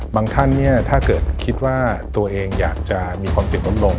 บางท่านถ้าเกิดคิดว่าตัวเองอยากจะมีความเสี่ยงลง